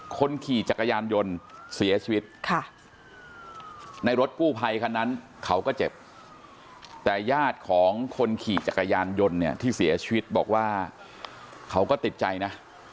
คนขี่จักรยานยนต์เสียชีวิตในรถกู้ภัยคันนั้นเขาก็เจ็บแต่ญาติของคนขี่จักรยานยนต์เนี่ยที่เสียชีวิตบอกว่าเขาก็ติดใจนะ